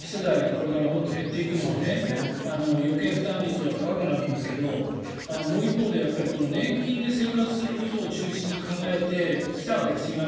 これからもっと減っていくので余計負担率は高くなるんですけどもう一方で年金で生活することを中心に考えてきたわけです